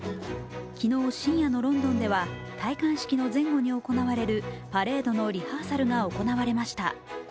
昨日深夜のロンドンでは戴冠式の前後に行われるパレードのリハーサルが行われました。